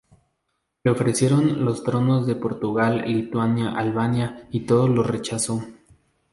Le ofrecieron los tronos de Portugal, Lituania y Albania, y todos los rechazó.